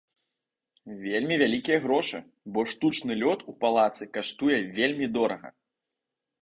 Вельмі вялікія грошы, бо штучны лёд у палацы каштуе вельмі дорага.